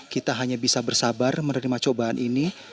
kita hanya bisa bersabar menerima cobaan ini